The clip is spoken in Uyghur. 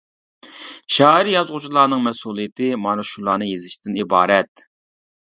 شائىر، يازغۇچىلارنىڭ مەسئۇلىيىتى مانا شۇلارنى يېزىشتىن ئىبارەت.